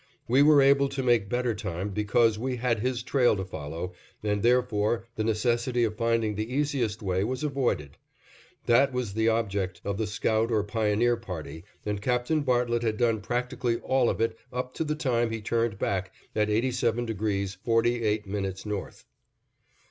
We were able to make better time because we had his trail to follow, and, therefore, the necessity of finding the easiest way was avoided. That was the object of the scout or pioneer party and Captain Bartlett had done practically all of it up to the time he turned back at 87° 48' north.